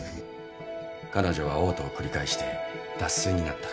彼女は嘔吐を繰り返して脱水になった。